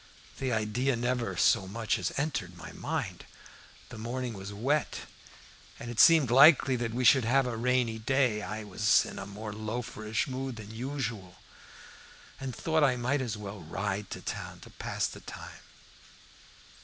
The idea never so much as entered my mind. The morning was wet, and it seemed likely that we should have a rainy day. I was in a more loaferish mood than usual, and thought I might as well ride to town to pass the time.